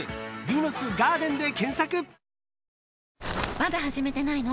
まだ始めてないの？